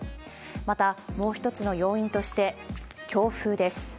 また、もう一つの要因として、強風です。